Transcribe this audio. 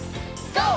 ＧＯ！